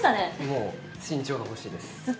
もう、身長が欲しいです。